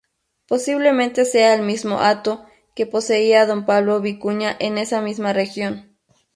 Posiblemente sea el mismo hato que poseía Don Pablo Vicuña en esa misma región.